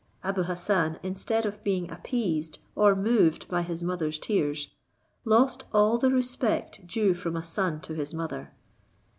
Abou Hassan, instead of being appeased or moved by his mother's tears, lost all the respect due from a son to his mother.